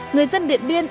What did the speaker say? người dân điện biên